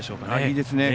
いいですね。